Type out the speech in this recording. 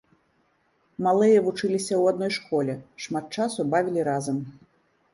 Малыя вучыліся ў адной школе, шмат часу бавілі разам.